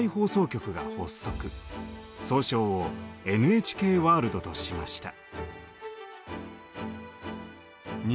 総称を「ＮＨＫワールド」としました。